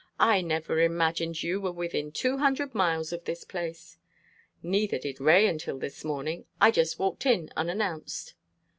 I never imagined you were within two hundred miles of this place." "Neither did Ray until this morning. I just walked in unannounced."